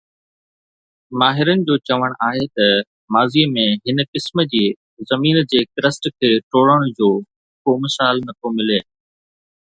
ماهرن جو چوڻ آهي ته ماضيءَ ۾ هن قسم جي زمين جي ڪرسٽ ٽوڙڻ جو ڪو مثال نه ٿو ملي